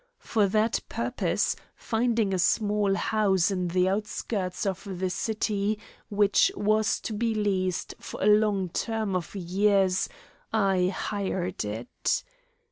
For that purpose, finding a small house in the outskirts of the city, which was to be leased for a long term of years, I hired it.